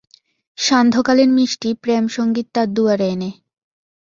সান্ধ্যকালীন মিষ্টি প্রেমসঙ্গীত তার দুয়ারে এনে।